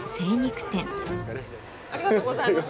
ありがとうございます。